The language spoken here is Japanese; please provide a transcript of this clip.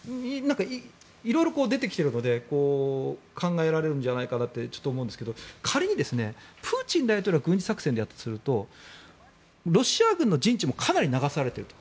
色々出てきているので考えられるんじゃないかとちょっと思うんですが仮にプーチン大統領が軍事作戦でやったとするとロシア軍の陣地もかなり流されていると。